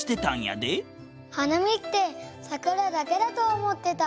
はなみってさくらだけだとおもってた！